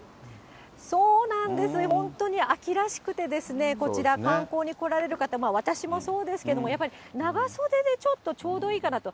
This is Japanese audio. そうなんですよ、本当に秋らしくてですね、こちら、観光に来られる方、私もそうですけども、やっぱり長袖でちょっと、ちょうどいいかなと。